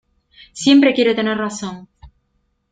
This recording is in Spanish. Siempre quiere tener razón.